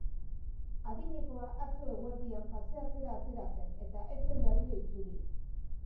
Adinekoa atzo eguerdian paseatzera atera zen eta ez zen berriro itzuli.